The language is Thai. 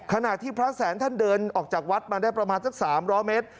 ขณะที่พระแสนท่านเดินออกจากวัดมาได้ประมาณสัก๓๐๐เมตร